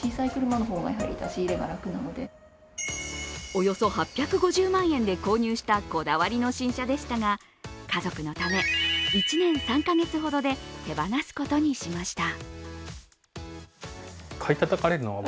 およそ８５０万円で購入したこだわりの新車でしたが、家族のため、１年３カ月ほどで手放すことにしました。